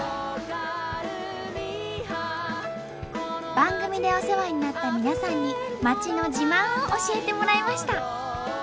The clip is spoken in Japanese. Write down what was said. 番組でお世話になった皆さんに町の自慢を教えてもらいました！